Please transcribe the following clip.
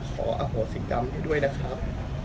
ขออโหสิกรรมให้ด้วยนะครับ